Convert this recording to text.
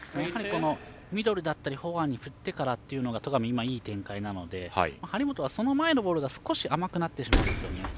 ミドルだったりフォアに振ってからというのが戸上、今、いい展開なので張本はその前のボールが少し甘くなってしまうんですよね。